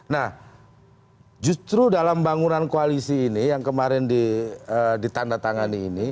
nah justru dalam bangunan koalisi ini yang kemarin ditandatangani ini